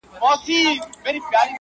كه څه هم تور پاته سم سپين نه سمه.